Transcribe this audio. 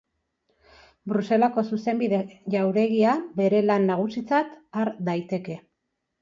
Bruselako Zuzenbide Jauregia bere lan nagusitzat har daiteke.